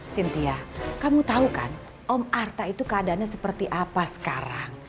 sintia kamu tau kan om arta itu keadaannya seperti apa sekarang